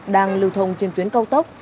đang lưu thông trên tuyến cao tốc